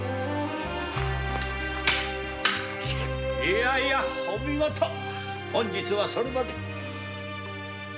いやいやお見事本日はそれまで。